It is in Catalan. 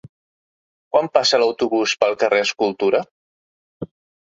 Quan passa l'autobús pel carrer Escultura?